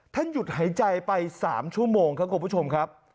หยุดหายใจไป๓ชั่วโมงครับคุณผู้ชมครับ